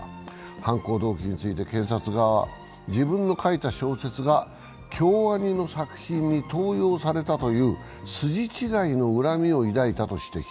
犯行動機について検察側は自分の書いた小説が京アニの作品に盗用されたという筋違いの恨みを抱いたと指摘。